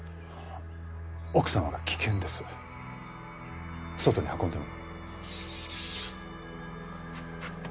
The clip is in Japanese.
奥様が危険です外に運んでも？